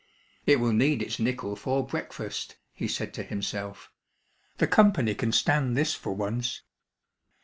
"It will need its nickel for breakfast," he said to himself. "The company can stand this for once.